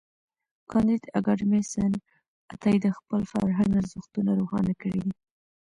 کانديد اکاډميسن عطايي د خپل فرهنګ ارزښتونه روښانه کړي دي.